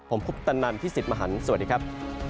ผมคุปตนันพี่สิทธิ์มหันฯสวัสดีครับ